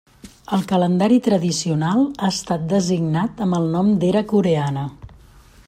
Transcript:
El calendari tradicional ha estat designat amb el nom d'era coreana.